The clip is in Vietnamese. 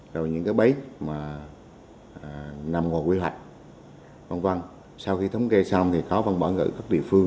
rồi những cái bấy mà nằm ngồi quy hoạch văn văn sau khi thống kê xong thì khó văn bỏ ngự các địa phương